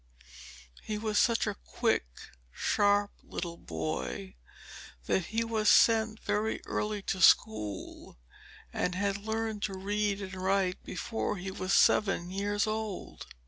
He was such a quick, sharp little boy that he was sent very early to school, and had learned to read and write before he was seven years old.